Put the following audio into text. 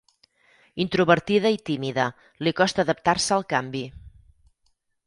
Introvertida i tímida, li costa adaptar-se al canvi.